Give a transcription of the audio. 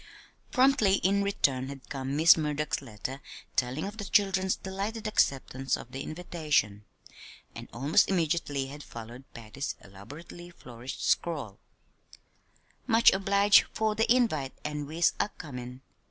Promptly in return had come Miss Murdock's letter telling of the children's delighted acceptance of the invitation; and almost immediately had followed Patty's elaborately flourished scrawl: "Much obliged for de invite an wes Acomin.